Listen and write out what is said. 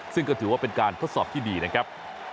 ซึ่งก็ถือว่าเป็นการทดสอบที่ดีนะครับ